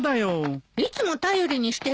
いつも頼りにしてるのよ。